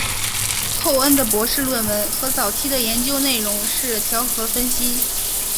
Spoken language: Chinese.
寇恩的博士论文和早期的研究内容是调和分析。